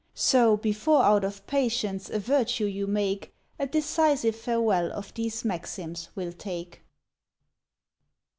So, before out of Patience a Virtue you make, A decisive farewell of these maxims we'll take.